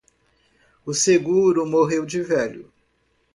O seguro morreu de velho